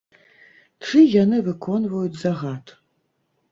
Чый яны выконваюць загад?